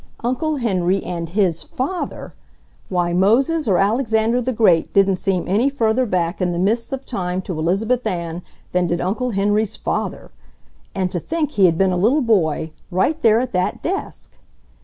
Uncle Henry and HIS FATHER—why Moses or Alexander the Great didn't seem any further back in the mists of time to Elizabeth Ann than did Uncle Henry's FATHER! And to think he had been a little boy, right there at that desk!